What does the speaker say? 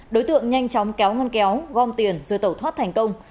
đối tượng nhanh chóng kéo ngăn kéo gom tiền rồi tẩu thoát thành công